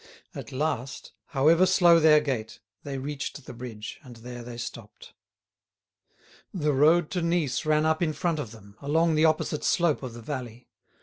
At last, however slow their gait, they reached the bridge, and there they stopped. The road to Nice ran up in front of them, along the opposite slope of the valley.